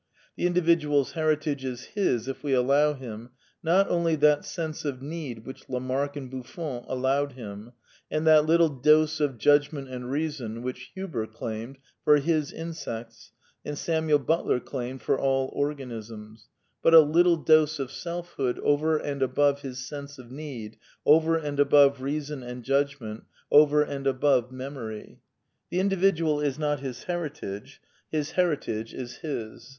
The indi vidual's heritage is his, if we allow him, not only that " sense of need '' which Lamarck and Buffon allowed him, and that "little dose of judgment and reason" which Huber claimed for his insects and Samuel Butler claimed for all organisms, but " a little dose " of selfhood over an'Zt above his sense of need, over and above reason and judg ment, over and above memory. The Individual ia jxot his heri tage. Hi s heritage is his.